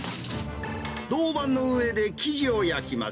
銅板の上で生地を焼きます。